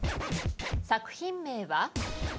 作品名は？